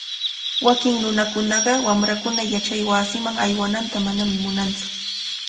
Wakin nunakunaqa wamrankuna yachaywasiman aywananta manami munantsu.